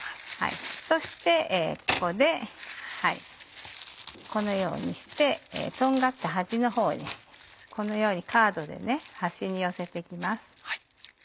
そしてここでこのようにしてとんがった端のほうにこのようにカードで端に寄せて行きます。